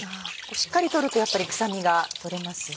しっかり取るとやっぱり臭みが取れますね。